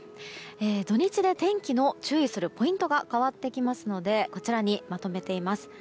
土日で天気の注意するポイントが変わってきますのでこちらにまとめています。